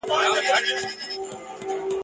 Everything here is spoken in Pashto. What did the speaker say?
د یوې لويی غونډي ..